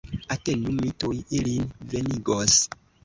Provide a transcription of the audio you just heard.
Atendu, mi tuj ilin venigos!